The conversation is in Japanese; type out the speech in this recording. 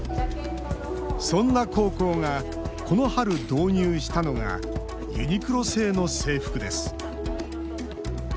そんな高校がこの春、導入したのがユニクロ製の制服です。